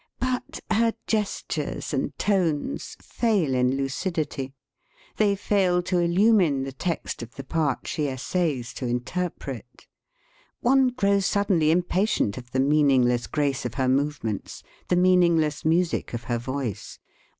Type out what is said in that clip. But her gestures and tones fail in lucidity ; they fail to illumine the text of the part she essays to interpret. One grows suddenly impatient of the meaningless grace of her movements, the meaningless music of her voice.